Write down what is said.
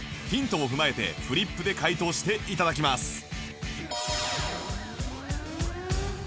ヒントを踏まえてフリップで回答していただきます